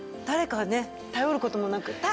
誰かにね頼る事もなく。